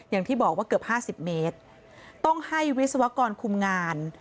อย่างที่บอกว่าเกือบ๕๐เมตรต้องให้วิศวกรคุมงาน